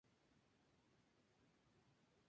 Su capital fue Villa de Nuestra Señora de Los Ángeles.